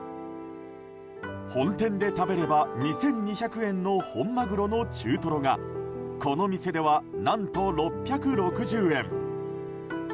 本店で食べれば２２００円の本マグロの中トロがこの店では何と６６０円。